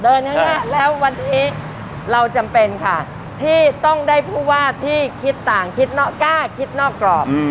ข้างหน้าแล้ววันนี้เราจำเป็นค่ะที่ต้องได้ผู้ว่าที่คิดต่างคิดนอกกล้าคิดนอกกรอบ